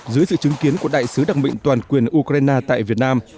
dưới sự chứng kiến của đại sứ đặc mệnh toàn quyền ukraine tại việt nam